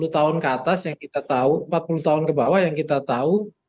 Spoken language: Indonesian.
sepuluh tahun ke atas yang kita tahu empat puluh tahun ke bawah yang kita tahu